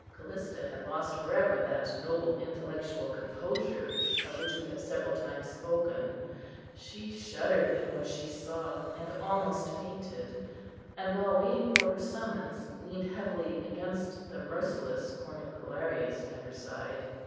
Callista had lost for ever that noble intellectual composure of which we have several times spoken; she shuddered at what she saw, and almost fainted, and, while waiting for her summons, leaned heavily against the merciless cornicularius at her side.